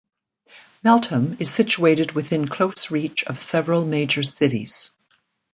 Meltham is situated within close reach of several major cities.